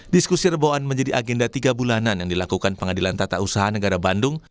diskusi reboan menjadi agenda tiga bulanan yang dilakukan pengadilan tata usaha negara bandung